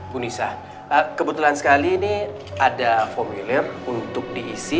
bu nisa kebetulan sekali ini ada formulir untuk diisi